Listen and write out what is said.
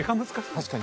確かに。